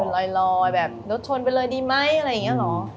ลอยแบบรถชนไปเลยดีไหมอะไรอย่างนี้เหรอ